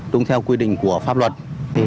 đúng theo quy định của pháp luật